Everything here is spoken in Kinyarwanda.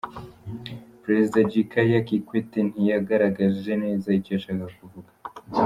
Perezida Jikaya Kikwete ntiyagaragaje neza icyo yashakaga kuvuga.